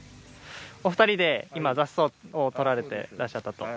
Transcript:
お二人で今雑草を取られてらっしゃったと。